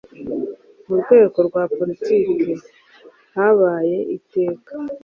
Mu rwego rwa politiki habaye iteka